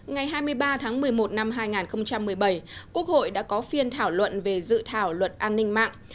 ngày hai mươi ba tháng một mươi một năm hai nghìn một mươi bảy quốc hội đã có phiên thảo luận về dự thảo luật an ninh mạng